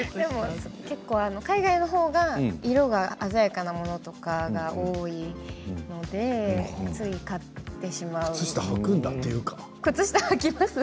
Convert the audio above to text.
海外のほうが色が鮮やかなものが多いのでつい買ってしまいます。